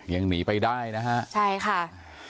ยังหนีไปได้นะฮะใช่ค่ะ